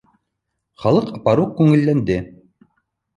Халыҡ апаруҡ күңелләнде